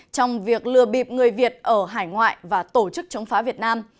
trong việc lừa bịp người việt ở hải ngoại và tổ chức chống phá việt nam